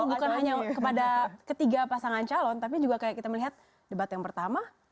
bukan hanya kepada ketiga pasangan calon tapi juga kayak kita melihat debat yang pertama